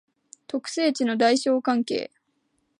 特性値の大小関係